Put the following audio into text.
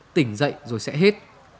tỉnh dậy rồi sẽ hết